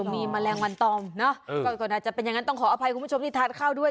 มีแมลงวันตอมเนอะก็น่าจะเป็นอย่างนั้นต้องขออภัยคุณผู้ชมที่ทานข้าวด้วย